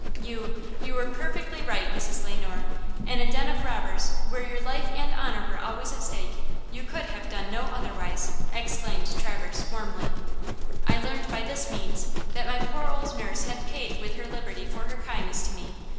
"You–you were perfectly right, Mrs. Le Noir! In a den of robbers, where your life and honor were always at stake, you could have done no otherwise!" exclaimed Traverse, warmly. "I learned by this means that my poor old nurse had paid with her liberty for her kindness to me.